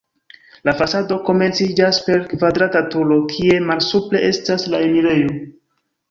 La fasado komenciĝas per kvadrata turo, kie malsupre estas la enirejo.